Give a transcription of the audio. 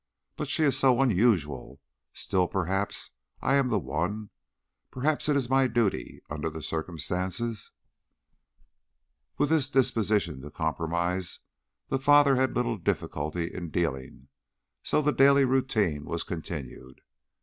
But she is so unusual. Still, perhaps I am the one perhaps it is my duty, under the circumstances " With this disposition to compromise the father had little difficulty in dealing, so the daily routine was continued.